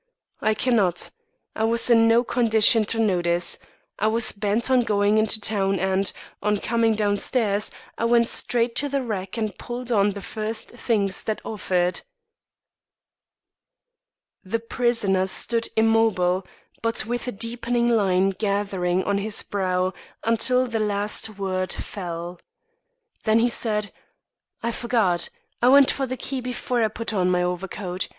_" "_I cannot. I was in no condition to notice. I was bent on going into town and, on coming downstairs, I went straight to the rack and pulled on the first things that offered._" The prisoner stood immobile but with a deepening line gathering on his brow until the last word fell. Then he said: "I forgot. I went for the key before I put on my overcoat.